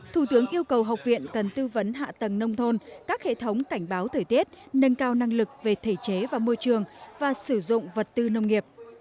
thủ tướng yêu cầu học viện cần tư vấn hạ tầng nông thôn các hệ thống cảnh báo thời tiết nâng cao năng lực về thể chế và môi trường và sử dụng vật tư nông nghiệp